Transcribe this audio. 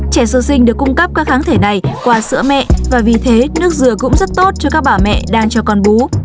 trẻ sơ sinh được cung cấp các kháng thể này qua sữa mẹ và vì thế nước dừa cũng rất tốt cho các bà mẹ đang cho con bú